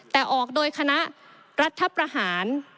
แต่ออกโดยคณะรัฐประหาร